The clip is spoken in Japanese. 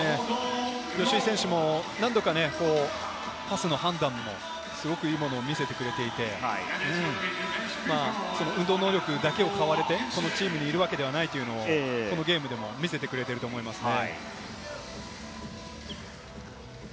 吉井選手も何度かパスの判断もすごくいいものを見せてくれていて、運動能力だけを買われて、このチームにいるわけではないというのを、このゲームでも見せてくれていると思いますね。